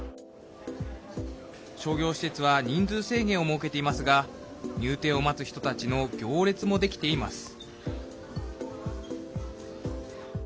商業施設は人数制限を設けていますが入店を待つ人たちの行列もできています。